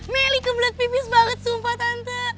meli kebelet pipis banget sumpah tante